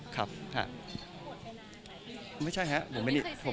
คิดว่าค้นเรื่องก็ทำลายของเรื่องสามารถพอได้กันล่ะนะครับ